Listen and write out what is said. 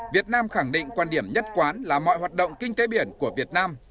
việt nam khẳng định quan điểm nhất quán là mọi hoạt động kinh tế biển của việt nam